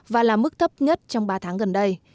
và là mức thấp nhất trong ba tháng gần đây